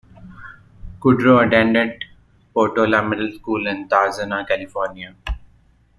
Kudrow attended Portola Middle School in Tarzana, California.